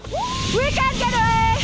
satu dua tiga go